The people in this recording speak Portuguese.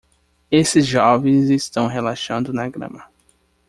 Esses jovens estão relaxando na grama.